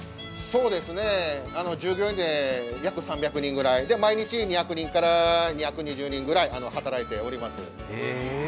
従業員で約３００人ぐらい、毎日２００人から２２０人ぐらい働いております。